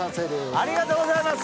ありがとうございます！